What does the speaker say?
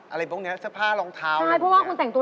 อะไรพวกนี้เสื้อผ้ารองเท้า